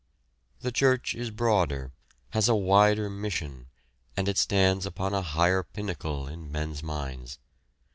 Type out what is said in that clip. The church is broader, has a wider mission, and it stands upon a higher pinnacle in men's minds.